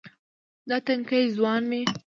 دا تنکے ځواني مې